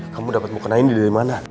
kamu dapat mukena ini dari mana